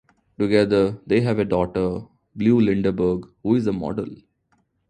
Together they have a daughter, Blue Lindeberg, who is a model.